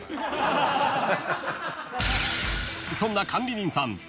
［そんな管理人さん